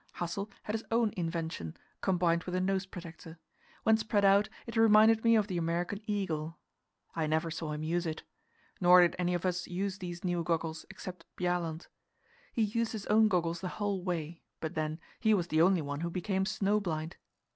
Hassel had his own invention, combined with a nose protector; when spread out it reminded me of the American eagle. I never saw him use it. Nor did any of us use these new goggles, except Bjaaland. He used his own goggles the whole way, but then, he was the only one who became snow blind.